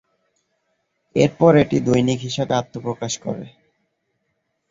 এরপর এটি দৈনিক হিসাবে আত্মপ্রকাশ করে।